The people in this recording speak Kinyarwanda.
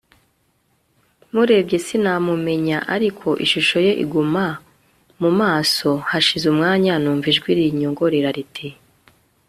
murebye sinamumenya, ariko ishusho ye inguma mu maso, hashize umwanya numva ijwi rinyongorera riti